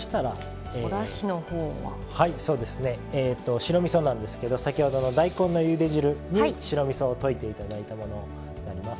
白みそなんですけど先ほどの大根のゆで汁に白みそを溶いて頂いたものになります。